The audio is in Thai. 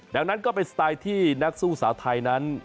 ดังนั้นก็เป็นสไตล์ที่นักสู้สาวไทยนั้น